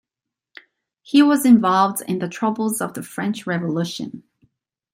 He was involved in the troubles of the French Revolution.